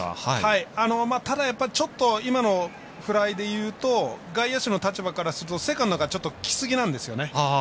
ただちょっと今のフライでいうと外野手の立場からするとセカンドがちょっと、来すぎなんですよね。